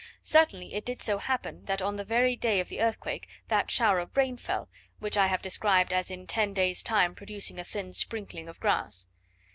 Certainly it did so happen that on the very day of the earthquake, that shower of rain fell, which I have described as in ten days' time producing a thin sprinkling of grass.